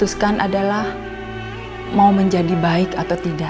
terdingin kerasa sebagai seorang yang kuber ratioil kgrenat nasional